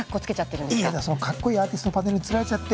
いやいやそのかっこいいアーティストのパネルにつられちゃって。